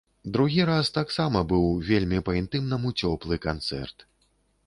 Другі раз таксама быў вельмі па-інтымнаму цёплы канцэрт.